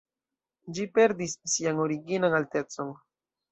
Ĝi perdis sian originan altecon.